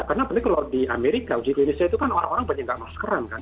karena apalagi kalau di amerika uji klinisnya itu kan orang orang banyak nggak maskeran kan